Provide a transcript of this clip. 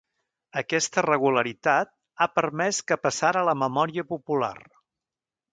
Aquesta regularitat ha permès que passara la memòria popular.